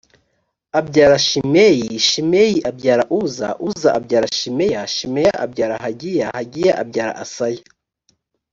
abyara shimeyi shimeyi abyara uza uza abyara shimeya shimeya abyara hagiya hagiya abyara asaya